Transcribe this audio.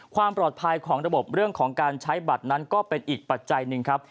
ความปลอดภัยของระบบเรื่องของการใช้บัตรนั้นก็เป็นอีกปัจจัยหนึ่งครับ